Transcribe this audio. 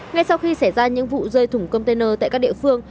ngay sau khi xảy ra những vụ rơi thủng container tại các địa phương